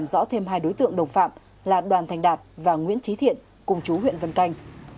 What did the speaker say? làm rõ thêm hai đối tượng đồng phạm là đoàn thành đạt và nguyễn trí thiện cùng chú huyện vân canh